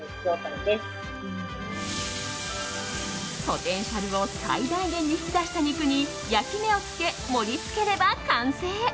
ポテンシャルを最大限に引き出した肉に焼き目をつけ、盛り付ければ完成。